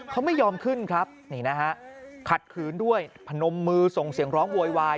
เขาไม่ยอมขึ้นครับนี่นะฮะขัดขืนด้วยพนมมือส่งเสียงร้องโวยวาย